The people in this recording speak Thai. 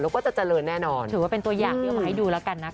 แล้วก็จะเจริญแน่นอนถือว่าเป็นตัวอย่างที่เอามาให้ดูแล้วกันนะคะ